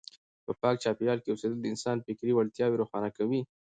په پاک چاپیریال کې اوسېدل د انسان فکري وړتیاوې روښانه کوي.